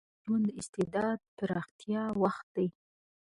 د محصل ژوند د استعداد پراختیا وخت دی.